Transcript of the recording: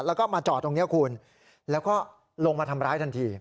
แล้วก็มาจอดตรงนี้คุณแล้วก็ลงมาทำร้ายทันที